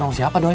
warung siapa doi